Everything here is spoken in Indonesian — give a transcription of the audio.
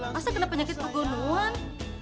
masa kena penyakit pegunuhan